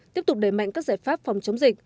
tiếp tục đẩy mạnh các giải pháp phòng chống dịch